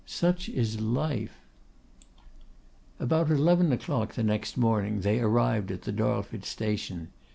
Such is life!' About eleven o'clock the next morning they arrived at the Darlford station.